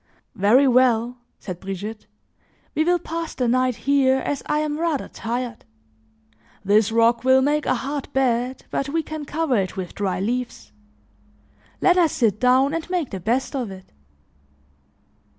"Very well," said Brigitte, "we will pass the night here as I am rather tired. This rock will make a hard bed but we can cover it with dry leaves. Let us sit down and make the best of it."